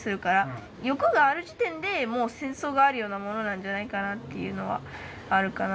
欲がある時点でもう戦争があるようなものなんじゃないかなっていうのはあるかな。